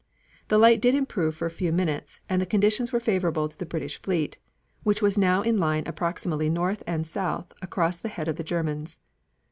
The light did improve for a few minutes, and the conditions were favorable to the British fleet, which was now in line approximately north and south across the head of the Germans.